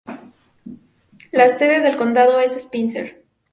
La sede del condado es Spencer.